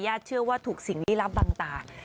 ญาติเชื่อว่าถูกสิ่งรีรับต่าง